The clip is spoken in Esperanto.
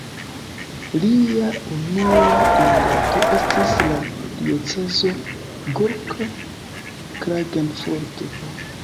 Lia unua dunganto estis la diocezo Gurk-Klagenfurt.